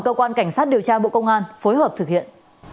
cơ quan cảnh sát điều tra bộ công an phối hợp thực hiện